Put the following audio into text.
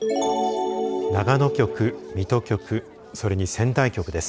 長野局、水戸局それに仙台局です。